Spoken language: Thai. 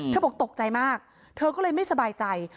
บอกตกใจมากเธอก็เลยไม่สบายใจ